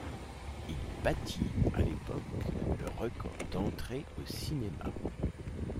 Il battit à l'époque le record d'entrées au cinéma.